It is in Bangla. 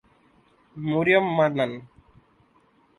তিনি মোটেই সুবিধে লাভ করতে পারেননি।